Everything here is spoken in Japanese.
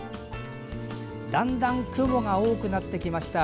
だんだん雲が多くなってきました。